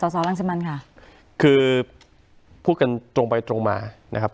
สอรังสิมันค่ะคือพูดกันตรงไปตรงมานะครับ